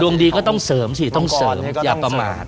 ดวงดีก็ต้องเสริมต้องเสริมอย่าต่อมา